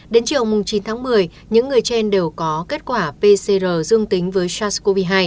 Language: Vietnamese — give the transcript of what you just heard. đến chiều chín tháng một mươi những người trên đều có kết quả pcr dương tính với sars cov hai